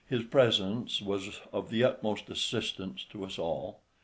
His presence was of the utmost assistance to us all.